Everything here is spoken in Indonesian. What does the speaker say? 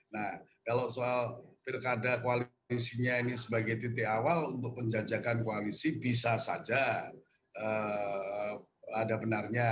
nah kalau soal pilkada koalisinya ini sebagai titik awal untuk penjajakan koalisi bisa saja ada benarnya